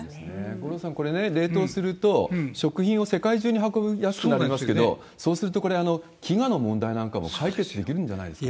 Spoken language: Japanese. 五郎さん、これね、冷凍すると、食品を世界中に運びやすくなりますけど、そうすると、これ、飢餓の問題なんかも解決できるんじゃないですかね。